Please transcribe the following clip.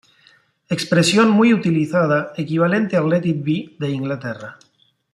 Expresión muy utilizada equivalente al let it be de Inglaterra.